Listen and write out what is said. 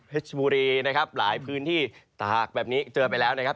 ชบุรีนะครับหลายพื้นที่ตากแบบนี้เจอไปแล้วนะครับ